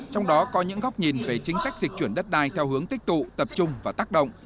trong đó có những góc nhìn về chính sách dịch chuyển đất đai theo hướng tích tụ tập trung và tác động